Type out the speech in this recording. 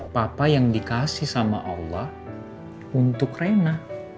papa yang dikasih sama allah untuk rena